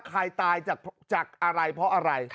ตายจากอะไรเพราะอะไร